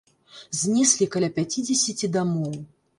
Знеслі каля пяцідзесяці дамоў.